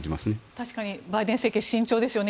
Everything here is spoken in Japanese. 確かにバイデン政権慎重ですよね。